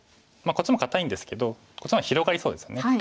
こっちも堅いんですけどこっちの方が広がりそうですよね。